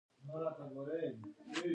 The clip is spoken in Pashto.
غازی د څه نوم دی؟